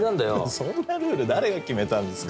そんなルール誰が決めたんですか。